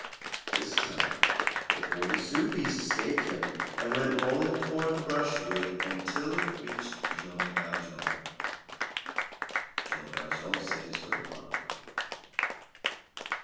This time the forty sou piece escaped him, and went rolling towards the brushwood until it reached Jean Valjean. Jean Valjean set his foot upon it.